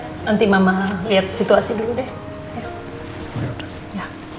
nanti mama lihat situasi dulu deh